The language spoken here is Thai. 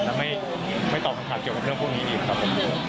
และไม่ตอบคำถามเกี่ยวกับเรื่องพวกนี้อีกครับผม